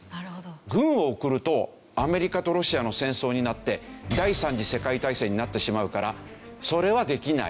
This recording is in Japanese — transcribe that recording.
軍を送るとアメリカとロシアの戦争になって第三次世界大戦になってしまうからそれはできない。